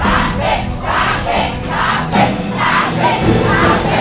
แล้วกระแนนของน้องเอญญาคือ